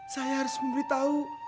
saya harus memberitahu